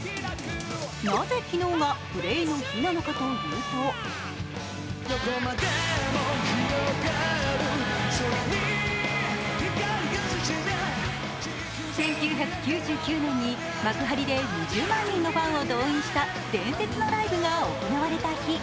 なぜ昨日がＧＬＡＹの日なのかというと１９９９年に幕張で２０万人のファンを動員した伝説のライブが行われた日。